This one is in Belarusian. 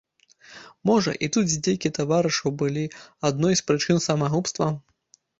Можа, і тут здзекі таварышаў былі адной з прычын самагубства?